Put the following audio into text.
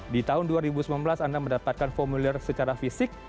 di tahun dua ribu sembilan belas anda mendapatkan formulir secara fisik